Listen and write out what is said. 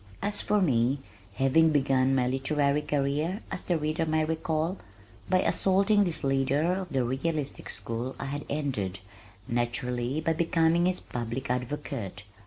As for me, having begun my literary career (as the reader may recall) by assaulting this leader of the realistic school I had ended, naturally, by becoming his public advocate.